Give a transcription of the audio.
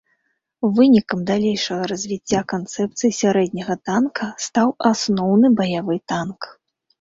Вынікам далейшага развіцця канцэпцыі сярэдняга танка стаў асноўны баявы танк.